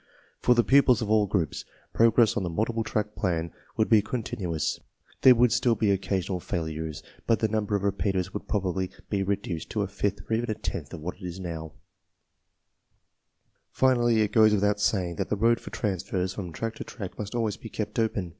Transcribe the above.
For the pupils of all groups! progress on the multiple track plan would be continuous. There woul d still be occasional failures^ but the num ber of repeaters woiflff "probably be re duced to a fifth or even a tenth of what it now is. Finally, it goes without saying That the road for transfers from track to track must always be kept open.